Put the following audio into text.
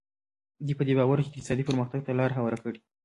دوی په دې باور وو چې اقتصادي پرمختګ ته لار هواره کړي.